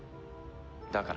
だから。